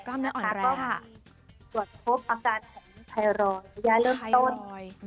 ก็มีส่วนพบอาการของไทรอยด์ยาเริ่มต้น